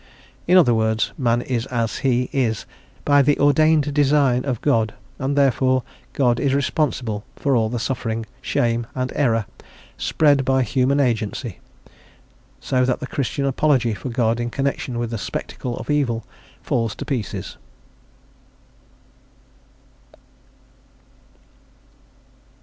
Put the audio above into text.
In other words, man is as he is by the ordained design of God, and, therefore, God is responsible for all the suffering, shame, and error, spread by human agency. So that the Christian apology for God in connection with the spectacle of evil falls to pieces."